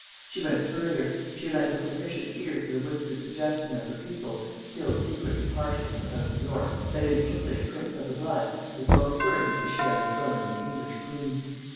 She went further; she lent a propitious ear to the whispered suggestion of her people, still secretly partial to the house of York, that an English prince of the blood was most worthy to share the throne of an English queen.